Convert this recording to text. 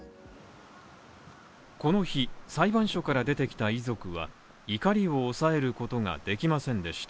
この日、裁判所から出てきた遺族は怒りを抑えることができませんでした。